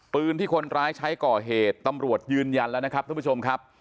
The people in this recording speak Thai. ปืนที่คนร้ายใช้ก่อเหตุตำรวจยืนยันแล้วนะครับท่านผู้ชมครับ